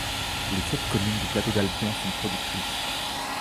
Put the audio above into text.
Les sept communes du plateau d'Albion sont productrices.